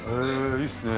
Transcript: いいっすね。